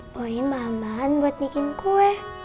boleh mampan buat bikin kue